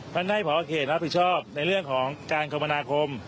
มันได้เพราะว่าเขตรรับผิดชอบในเรื่องของการคอมพนาคม